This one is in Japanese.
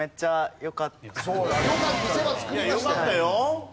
よかったよ。